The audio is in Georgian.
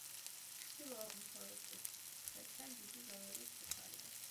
ჩრდილო-აღმოსავლეთ კუთხესთან დიდი ზომის ბუხარია.